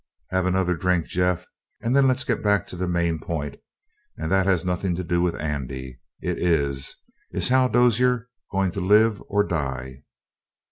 "Have another drink, Jeff, and then let's get back to the main point, and that has nothin' to do with Andy. It is: Is Hal Dozier going to live or die?"